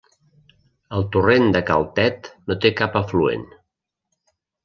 El Torrent de Cal Tet no té cap afluent.